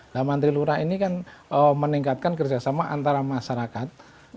nah menteri lurah ini kan meningkatkan kerjasama antara masyarakat